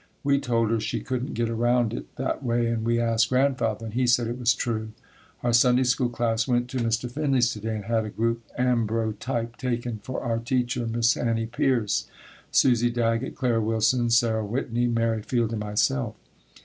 We told her she couldn't get around it that way and we asked Grandfather and he said it was true. Our Sunday School class went to Mr. Finley's to day and had a group ambrotype taken for our teacher, Miss Annie Pierce; Susie Daggett, Clara Willson, Sarah Whitney, Mary Field and myself.